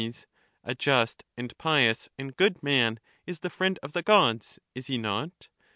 A just and pious and good man is the friend of the gods ; is he not